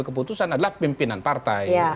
keputusan adalah pimpinan partai